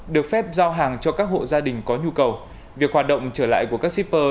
được phép giao hàng cho các hộ gia đình có nhu cầu việc hoạt động trở lại của các shipper